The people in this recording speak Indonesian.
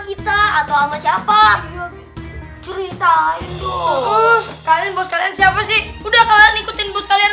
bisa atau sama siapa ceritain loh kalian bos kalian siapa sih udah kalian ikutin bos kalian